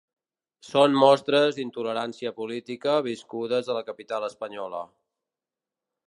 Són mostres d’intolerància política viscudes a la capital espanyola.